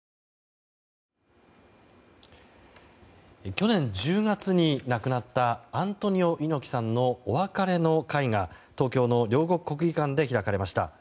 去年１０月に亡くなったアントニオ猪木さんのお別れの会が東京の両国国技館で行われました。